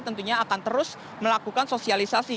tentunya akan terus melakukan sosialisasi